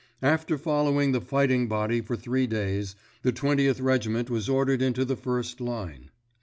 After following the fighting body for three days, the Twentieth Regiment was ordered into the first line.